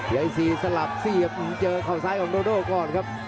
ยายซีสลับเสียบเจอเขาซ้ายของโดโดก่อนครับ